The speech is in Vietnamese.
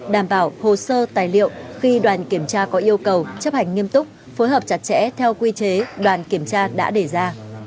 đảm bảo hồ sơ tài liệu khi đoàn kiểm tra có yêu cầu chấp hành nghiêm túc phối hợp chặt chẽ theo quy chế đoàn kiểm tra đã đề ra